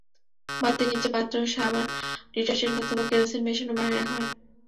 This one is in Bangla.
বাতির নিচে পাত্রে সাবান, ডিটারজেন্ট অথবা কেরোসিন মেশানো পানি রাখা হয়।